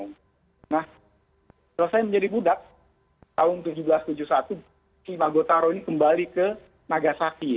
nah selesai menjadi budak tahun seribu tujuh ratus tujuh puluh satu si magotaro ini kembali ke nagasaki